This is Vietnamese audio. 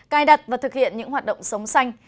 cài đặt và thực hiện những hoạt động sống xanh